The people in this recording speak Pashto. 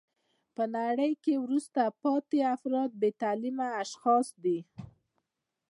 په نړۍ کښي وروسته پاته افراد بې تعلیمه اشخاص دي.